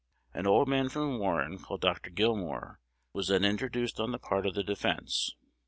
An old man from Warren, called Dr. Gilmore, was then introduced on the part of the defence.